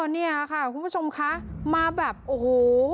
เนี่ยค่ะคุณผู้ชมคะมาแบบโอ้โห